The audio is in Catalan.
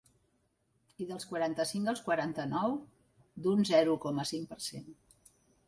I dels quaranta-cinc als quaranta-nou, d’un zero coma cinc per cent.